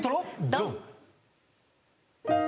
ドン！